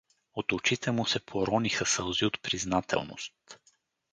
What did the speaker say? От очите му се порониха сълзи от признателност.